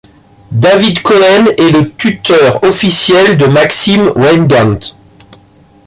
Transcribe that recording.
David Cohen est le tuteur officiel de Maxime Weygand.